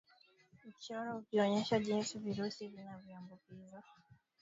Mchoro Ukionyesha jinsi virusi vinavyoambukizwa kupitia kwa kikohozi kutoka kwa wanyama walioambukizwa